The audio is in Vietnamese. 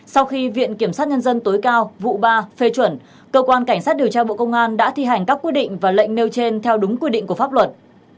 sau khi viện kiểm sát nhân dân tối cao vụ ba phê chuẩn cơ quan cảnh sát điều tra bộ công an đã thi hành các quy định và lệnh nêu trên theo đúng quy định của pháp luật